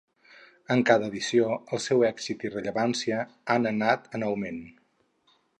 En cada edició el seu èxit i rellevància han anat en augment.